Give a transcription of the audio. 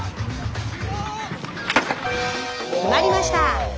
決まりました！